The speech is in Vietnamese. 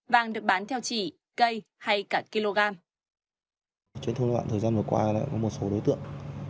vàng được bán theo chỉ cây hay cả kg